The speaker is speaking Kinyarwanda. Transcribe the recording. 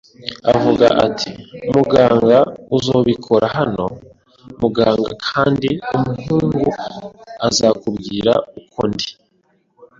Avuga ati: “Muganga uzobikora hano, muganga, kandi umuhungu azokubwira uko ndi